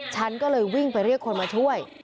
ฉันก็เลยวิ่งไปเรียกคนมาช่วย